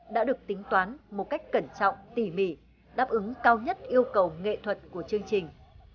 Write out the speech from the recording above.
đã được tính toán một cách cẩn trọng tỉ mỉ đáp ứng cao nhất yêu cầu nghệ thuật của chương trình